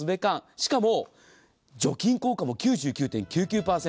しかも、除菌効果も９９．９９％。